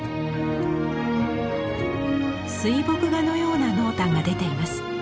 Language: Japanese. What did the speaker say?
水墨画のような濃淡が出ています。